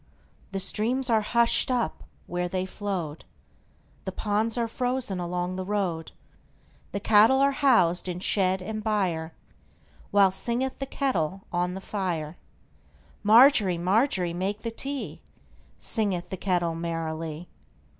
The streams are hushed up where they flowed, The ponds are frozen along the road, The cattle are housed in shed and byreWhile singeth the kettle on the fire. Margery, Margery, make the tea, Singeth the kettle merrily.